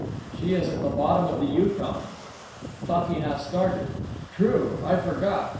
"She is at the bottom of the Yukon." Klakee Nah started. "True, I forgot.